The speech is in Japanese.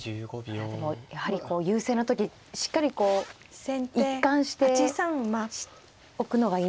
いやでもやはりこう優勢の時しっかりこう一貫しておくのがいいんですね。